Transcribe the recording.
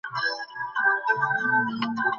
সংসারের অভিজ্ঞতা তাহার কিছুই ছিল না।